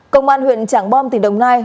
công an huyện trảng bom tỉnh đồng nai